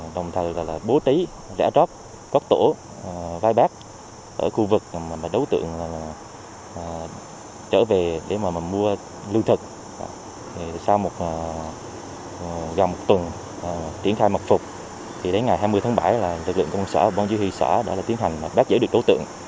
đó là tiến hành bắt giữ đối tượng